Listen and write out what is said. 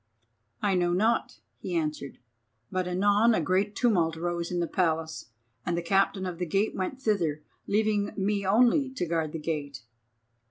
"I know not," he answered, "but anon a great tumult rose in the Palace, and the Captain of the Gate went thither, leaving me only to guard the gate."